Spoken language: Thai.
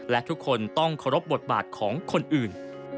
และทุกคนต้องเคารพบทบาทของคนอื่น